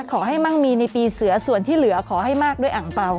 มั่งมีในปีเสือส่วนที่เหลือขอให้มากด้วยอ่างเปล่า